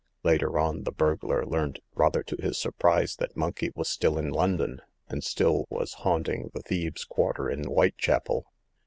Later on the burglar learnt, rather to his surprise, that Monkey was still in London, and still was haunting the thieves' quarter in Whitechapel.